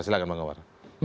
silahkan pak komar